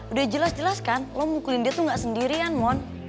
udah jelas jelas kan lo mukulin dia tuh gak sendirian mon